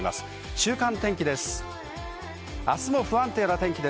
週間天気です。